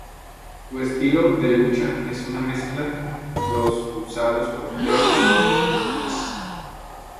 Su estilo de lucha es una mezcla los usados por Terry y Geese.